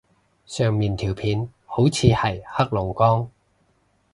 上面條片好似係黑龍江